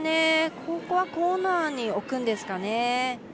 ここはコーナーに置くんですかね。